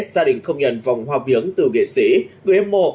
gia đình không nhận vòng hoa viếng từ nghệ sĩ người hâm mộ